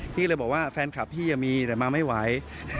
พี่เลยบอกว่าแฟนคลับพี่มีแต่มาไม่ไหว